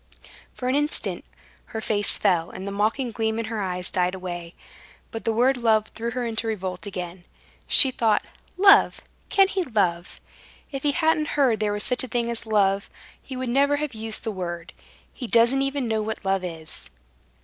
For an instant her face fell, and the mocking gleam in her eyes died away; but the word love threw her into revolt again. She thought: "Love? Can he love? If he hadn't heard there was such a thing as love, he would never have used the word. He doesn't even know what love is."